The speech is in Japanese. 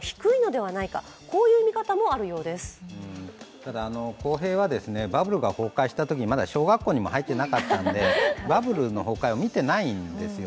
ただ、康平はバブルが崩壊したときは小学校にも入っていなかったのでバブルの崩壊を見てないんですよ。